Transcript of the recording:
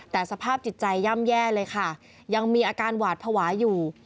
แต่สภาพจิตใจย่ำแย่เลยค่ะยังมีอาการหวาดภาวะอยู่